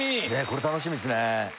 これ楽しみですね